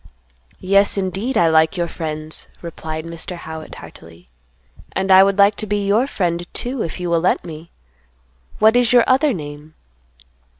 "Yes, indeed, I like your friends," replied Mr. Howitt, heartily; "and I would like to be your friend too, if you will let me. What is your other name?"